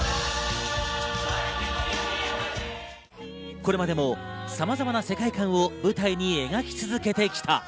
これまでも様々な世界観を舞台に描き続けてきた。